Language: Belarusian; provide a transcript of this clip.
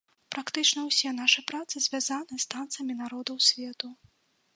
Практычна ўсе нашы працы звязаны з танцамі народаў свету.